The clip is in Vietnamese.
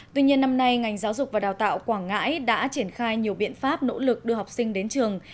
tuy nhiên năm nay ngành giáo dục và đào tạo quảng ngãi đã triển khai nhiều biện pháp nỗ lực đưa học sinh đến trường